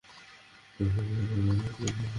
এটা আমার মিশন।